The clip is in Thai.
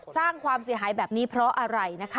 สร้างความเสียหายแบบนี้เพราะอะไรนะคะ